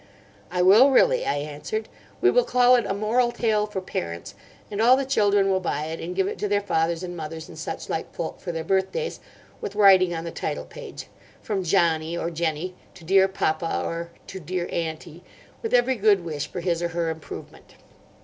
"I will really," I answered. "We will call it a moral tale for parents; and all the children will buy it and give it to their fathers and mothers and such like folk for their birthdays, with writing on the title page, 'From Johnny, or Jenny, to dear Papa, or to dear Aunty, with every good wish for his or her improvement!